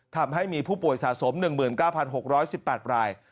ทำให้มีผู้ป่วยสะสม๑๙๖๑๘ราย